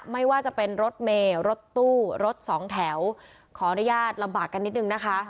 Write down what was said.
ไม่ว่าจะเป็นรถเมย์รถตู้รถสองแถวขออนุญาตลำบากกันนิดนึงนะคะ